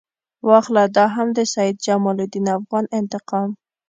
واخله دا هم د سید جمال الدین افغاني انتقام.